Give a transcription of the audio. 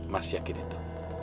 mas yakin itu